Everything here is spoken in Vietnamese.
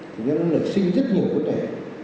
thì nó nở sinh rất nhiều vấn đề